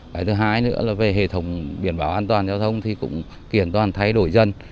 cái thứ hai nữa là về hệ thống biển báo an toàn giao thông thì cũng kiện toàn thay đổi dân